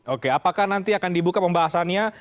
oke apakah nanti akan dibuka pembahasannya